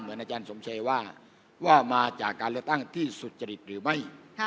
อาจารย์สมชัยว่ามาจากการเลือกตั้งที่สุจริตหรือไม่